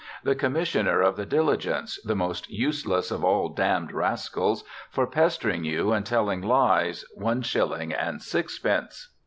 'The commissioner of the diligence, the most useless of all damned rascals, for pestering you and telling lies, one shilling and sixpence.'